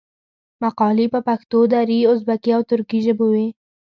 مقالي په پښتو، دري، ازبکي او ترکي ژبو وې.